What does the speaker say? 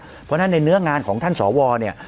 เพราะฉะนั้นในเนื้องานของท่านสวเนี่ย